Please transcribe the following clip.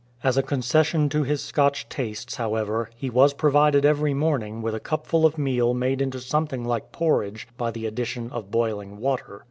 As a concession to his Scotch tastes, however, he was provided every morning with a cupful of meal made into something like porridge by the addition of boiling water.